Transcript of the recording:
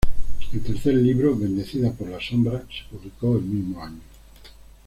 El tercer libro "Bendecida por la sombra" se publicó el mismo año.